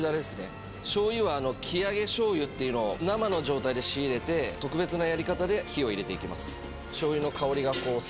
醤油は生揚醤油っていうのを生の状態で仕入れて特別なやり方で火を入れていきます。